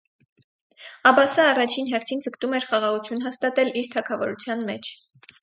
Աբասը առաջին հերթրն ձգտում էր խաղաղություն հաստատել իր թագավորության մեջ։